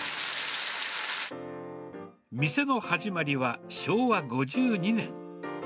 店の始まりは昭和５２年。